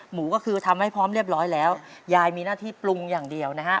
หมูก็คือทำให้พร้อมเรียบร้อยแล้วยายมีหน้าที่ปรุงอย่างเดียวนะฮะ